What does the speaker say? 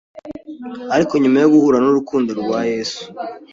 Ariko nyuma yo guhura n’urukundo rwa Yesu